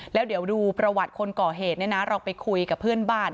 แล้วเดี๋ยวดูประวัติคนก่อเหตุเนี่ยนะเราไปคุยกับเพื่อนบ้าน